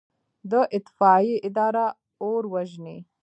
د اطفائیې اداره اور وژني